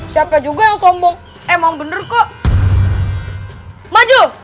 siapa juga yang sombong emang bener kok maju